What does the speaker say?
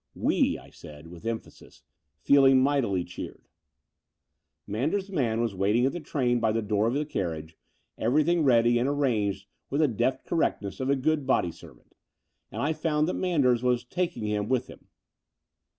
"tVe," I said with emphasis, feeling mightily cheered. Manders* man was waiting at the train by the door of the carriage, everything ready and arranged with the deft correctness of a good body servant; and I found that Manders was taking him with him.